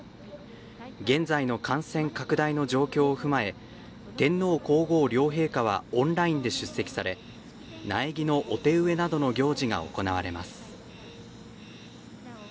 現在の感染拡大の状況を踏まえ天皇皇后両陛下はオンラインで出席され苗木のお手植えなどの行事が行われます。